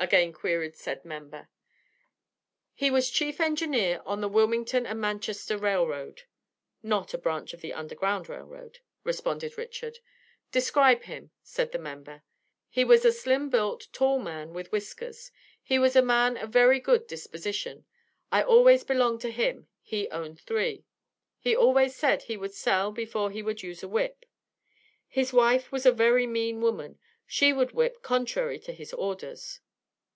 again queried said member. "He was chief engineer on the Wilmington and Manchester Rail Road" (not a branch of the Underground Rail Road), responded Richard. "Describe him," said the member. "He was a slim built, tall man with whiskers. He was a man of very good disposition. I always belonged to him; he owned three. He always said he would sell before he would use a whip. His wife was a very mean woman; she would whip contrary to his orders."